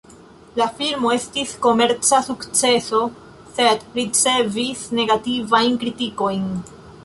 La filmo estis komerca sukceso sed ricevis negativajn kritikojn.